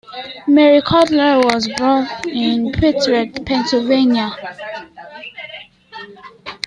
Mary Colter was born in Pittsburgh, Pennsylvania.